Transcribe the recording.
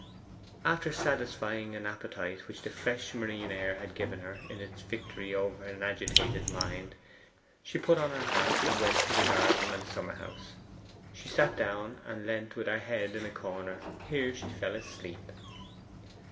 After satisfying an appetite which the fresh marine air had given her in its victory over an agitated mind, she put on her hat and went to the garden and summer house. She sat down, and leant with her head in a corner. Here she fell asleep.